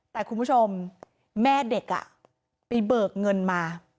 แต่คุณผู้ชมแม่เด็กไปเบิกเงินมา